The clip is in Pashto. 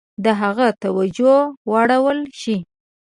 د هغه توجه واړول شي.